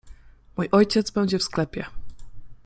— Mój ojciec będzie w sklepie.